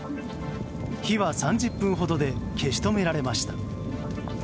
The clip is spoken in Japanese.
火は３０分ほどで消し止められました。